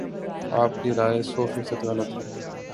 آپ کی رائے سو فیصد غلط ہے